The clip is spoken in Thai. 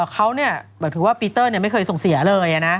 เขาถือว่าปีเตอร์ไม่เคยส่งเสียเลยนะ